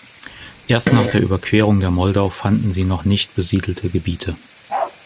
Erst nach der Überquerung der Moldau fanden sie noch nicht besiedelte Gebiete.